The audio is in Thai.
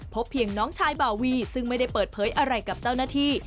เพียงน้องชายบาวีซึ่งไม่ได้เปิดเผยอะไรกับเจ้าหน้าที่